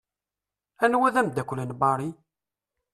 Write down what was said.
Anwa d amdakel n Marie?